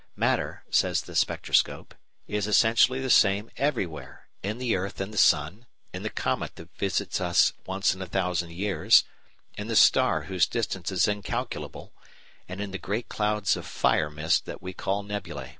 Matter, says the spectroscope, is essentially the same everywhere, in the earth and the sun, in the comet that visits us once in a thousand years, in the star whose distance is incalculable, and in the great clouds of "fire mist" that we call nebulæ.